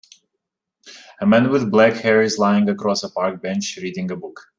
A man with black hair is lying across a park bench reading a book.